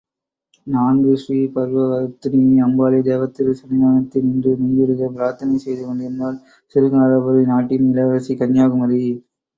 நான்கு ஸ்ரீபர்வதவர்த்தினி அம்பாளி தேவத்திருச் சந்நிதனத்தில் நின்று மெய்யுருகப் பிரார்த்தனை செய்து கொண்டிருந்தாள், சிருங்காரபுரி நாட்டின் இளவரசி கன்யாகுமரி.